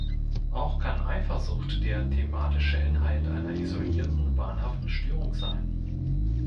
Auch kann Eifersucht der thematische Inhalt einer isolierten wahnhaften Störung sein.